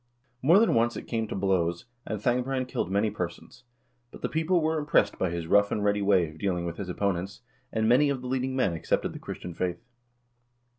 1 More than once it came to blows, and Thangbrand killed many persons, but the people were impressed by his rough and ready way of dealing with his opponents, and many of the leading men accepted the Christian faith.